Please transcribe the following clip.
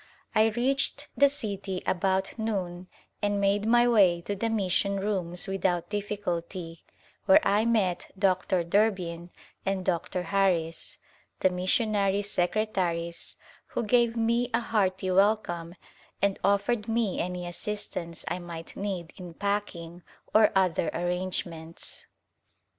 I reached the city about noon and made my way to the mission rooms without difficulty, where I met Dr. Durbin and Dr. Harris, the missionary secretaries, who gave me a hearty welcome and offered me any assistance I might need in packing or other arrangements.